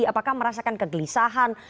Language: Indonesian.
apakah merasakan kegelisahan